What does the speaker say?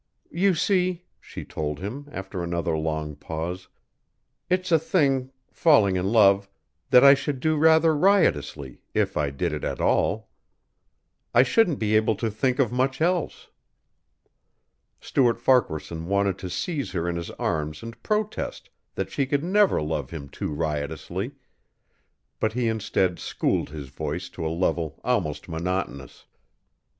"You see," she told him, after another long pause, "it's a thing falling in love that I should do rather riotously if I did it at all. I shouldn't be able to think of much else." Stuart Farquaharson wanted to seize her in his arms and protest that she could never love him too riotously, but he instead schooled his voice to a level almost monotonous.